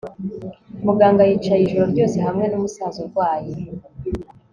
muganga yicaye ijoro ryose hamwe numusaza urwaye